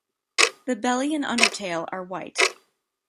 The belly and undertail are white.